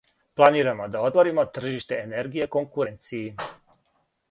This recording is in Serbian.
Планирамо да отворимо тржиште енергије конкуренцији.